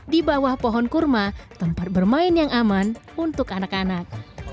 di bawah pohon kurma tempat bermain yang aman untuk anak anak